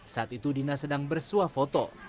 saat itu dina sedang bersuah foto